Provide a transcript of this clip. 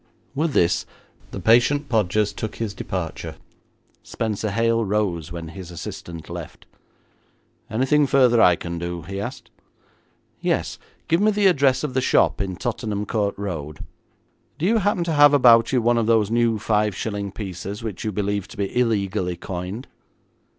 With this the patient Podgers took his departure. Spenser Hale rose when his assistant left. 'Anything further I can do?' he asked. 'Yes; give me the address of the shop in Tottenham Court Road. Do you happen to have about you one of those new five shilling pieces which you believe to be illegally coined?'